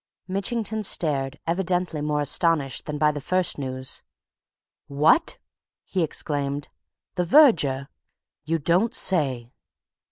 Mitchington started, evidently more astonished than by the first news. "What!" he exclaimed. "The verger! You don't say!"